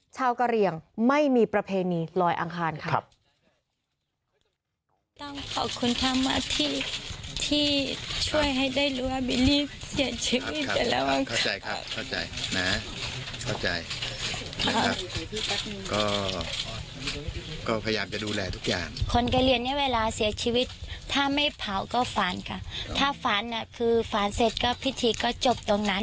ชาวกะเรียงไม่มีประเพณีลอยอังคารครับ